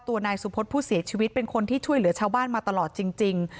นายสุพธิ์ผู้เสียชีวิตเป็นคนที่ช่วยเหลือชาวบ้านมาตลอดจริง